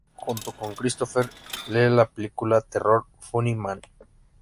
Protagonizó junto con Christopher Lee la película de terror "Funny Man".